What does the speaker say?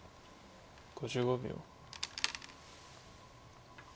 ５５秒。